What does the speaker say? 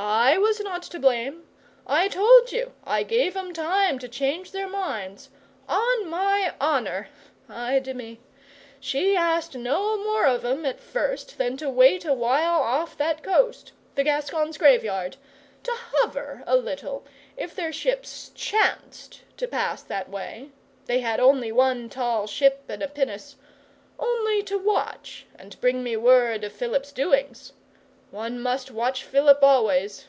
'I was not to blame. I told you I gave 'em time to change their minds. On my honour (ay de mi!), she asked no more of 'em at first than to wait a while off that coast the Gascons' Graveyard to hover a little if their ships chanced to pass that way they had only one tall ship and a pinnace only to watch and bring me word of Philip's doings. One must watch Philip always.